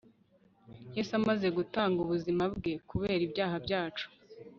yesu amaze gutanga ubuzima bwe kubera ibyaha byacu